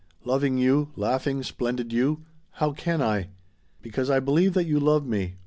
Loving you laughing, splendid you how can I? "Because I believe that you love me.